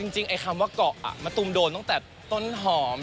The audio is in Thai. ไอ้คำว่าเกาะมะตูมโดนตั้งแต่ต้นหอม